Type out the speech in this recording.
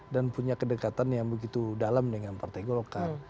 dan punya kedekatan yang begitu dalam dengan partai golkar